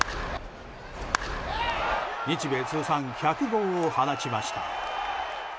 日米通算１００号を放ちました。